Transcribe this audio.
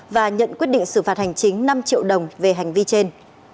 và nhận quyết định xử phạt hành chính năm triệu đồng về hành vi trên